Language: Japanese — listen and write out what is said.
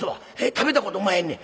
食べたことおまへんねん。